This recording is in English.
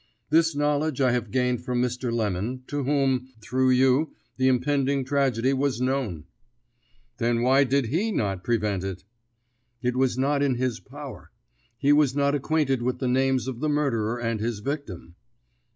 This knowledge I have gained from Mr. Lemon, to whom, through you, the impending tragedy was known." "Then why did he not prevent it?" "It was not in his power. He was not acquainted with the names of the murderer and his victim."